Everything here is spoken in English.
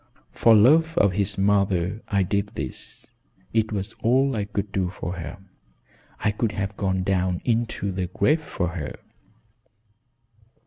For love of his mother I did this. It was all I could do for her; I would have gone down into the grave for her.